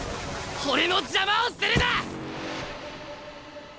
俺の邪魔をするな！